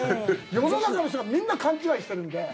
世の中の人がみんな勘違いしてるんで。